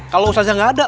kalau ustazah gak ada